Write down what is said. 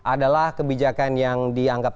adalah kebijakan yang dianggap